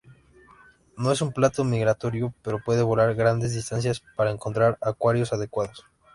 No es un pato migratorio, pero puede volar grandes distancias para encontrar acuarios adecuados.